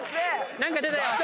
何か出たよ。